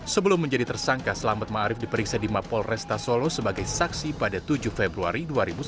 sebelum menjadi tersangka selamat marif diperiksa di mapol restasolo sebagai saksi pada tujuh februari dua ribu sembilan belas